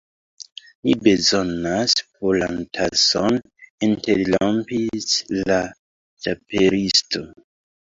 "Mi bezonas puran tason," interrompis la Ĉapelisto.